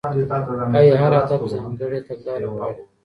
ايا هر هدف ځانګړې تګلاره غواړي؟